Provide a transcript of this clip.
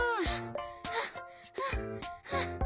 はあはあはあ。